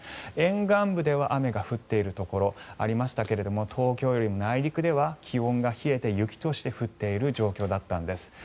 沿岸部では雨が降っているところがありましたが東京よりも内陸では気温が冷えて雪として降っている状況だったんです。